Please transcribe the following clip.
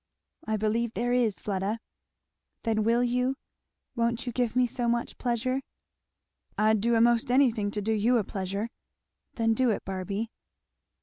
"I believe there is, Fleda." "Then will you? won't you give me so much pleasure?" "I'd do a'most anything to do you a pleasure." "Then do it, Barby."